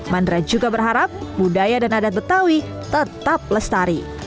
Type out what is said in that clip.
mandra juga berharap budaya dan adat betawi tetap lestari